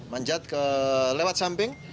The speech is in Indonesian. manjat ke lewat samping